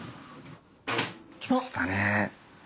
きましたね。